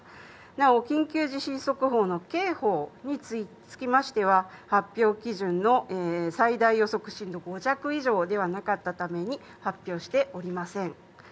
なお緊急地震速報の警報につきましては、発表基準の最大予測震度５弱以上ではなかったために、発表しておりません。